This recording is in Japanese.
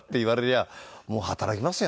もう働きますよね。